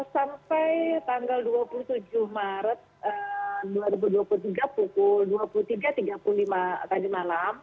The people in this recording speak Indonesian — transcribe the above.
sampai tanggal dua puluh tujuh maret dua ribu dua puluh tiga pukul dua puluh tiga tiga puluh lima tadi malam